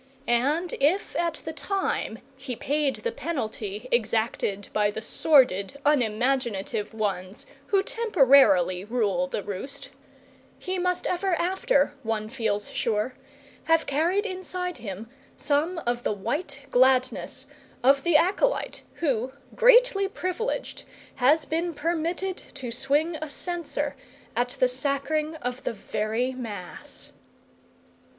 And if at the time he paid the penalty exacted by the sordid unimaginative ones who temporarily rule the roast, he must ever after, one feels sure, have carried inside him some of the white gladness of the acolyte who, greatly privileged, has been permitted to swing a censer at the sacring of the very Mass.